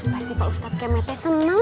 pasti pak ustadz kemetnya seneng